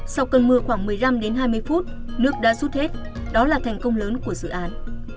sau cơn mưa khoảng một mươi năm đến hai mươi phút nước đã rút hết đó là thành công lớn của dự án